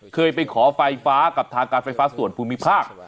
เคยไปขอไฟฟ้ากับทางการไฟฟ้าส่วนภูมิภาค